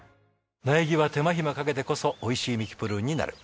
苗木は手間暇かけてこそおいしいミキプルーンになる。